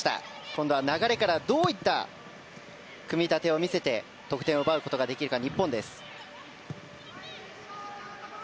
今度は流れからどういった組み立てを見せて得点を奪うことができるか。